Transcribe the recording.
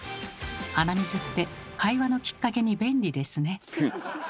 鼻水って会話のきっかけに便利ですね。